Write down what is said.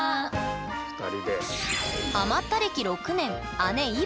２人で。